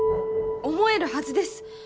思えるはずです